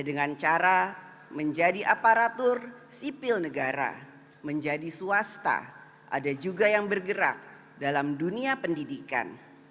dengan cara menjadi aparatur sipil negara menjadi swasta ada juga yang bergerak dalam dunia pendidikan